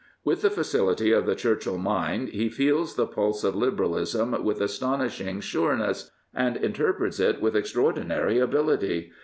With the facility of the Churchill mind he feels the pulse of Liberalism with astonishing sure ness, and interprets it with extraordinary ability.